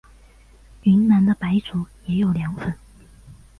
云南的白族也有凉粉。